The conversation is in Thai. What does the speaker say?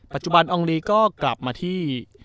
ปัจจุบันอองลีก็กลับมาที่